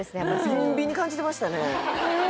ビンビンに感じてましたねへえ！